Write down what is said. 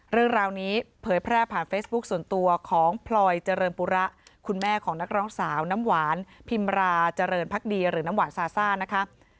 เรื่องราวนี้เผยแพร่ผ่านเฟซบุ๊คส่วนตัวของพลอยเจริญปุระคุณแม่ของนักร้องสาวน้ำหวานพิมราเจริญพักดีหรือน้ำหวานซาซ่านะคะ